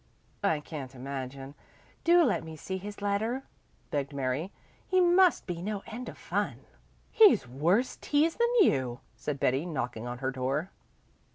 "I can't imagine. Do let me see his letter," begged Mary. "He must be no end of fun." "He's a worse tease than you," said Betty, knocking on her door.